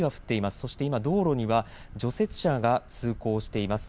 そして今道路には除雪車が通行しています。